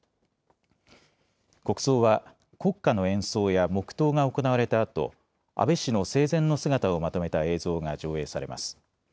国葬は国歌の演奏や黙とうが行われたあと、安倍氏の生前の姿をまとめた映像が上映されます。